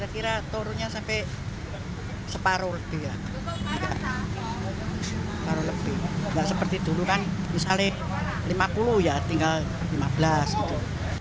tidak seperti dulu kan misalnya lima puluh ya tinggal lima belas gitu